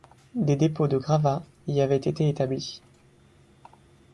Des dépôts de gravats y avaient été établis.